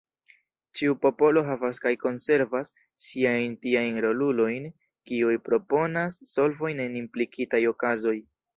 Ĉiu popolo havas kaj konservas siajn tiajn rolulojn kiuj proponas solvojn en implikitaj okazoj.